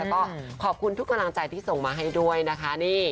แล้วก็ขอบคุณทุกกำลังใจที่ส่งมาให้ด้วยนะคะ